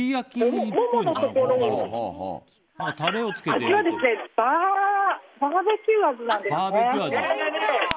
味はバーベキュー味なんですけど。